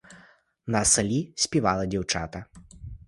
На селі співали дівчата.